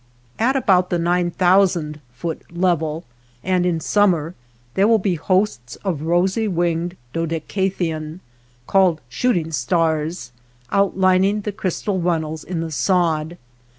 J At about the nine thousand foot level and in the summer there will be hosts of rosy winged dodecatheon, called shooting stars, outlining the crystal runnels in the sod.